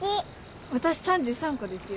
私３３個ですよ。